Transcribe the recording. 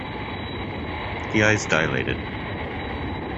The eyes dilated.